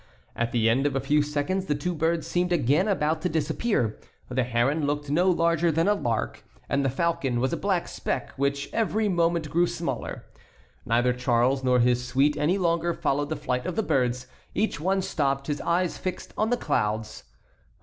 At the end of a few seconds the two birds seemed again about to disappear. The heron looked no larger than a lark, and the falcon was a black speck which every moment grew smaller. Neither Charles nor his suite any longer followed the flight of the birds. Each one stopped, his eyes fixed on the clouds.